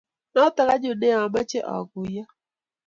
Notok annyun ne amache akuyo